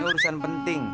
ini urusan penting